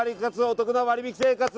おトクな割引生活。